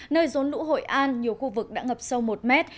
nơi rốn lũ hội an nhiều khu vực đã ngập sâu một mét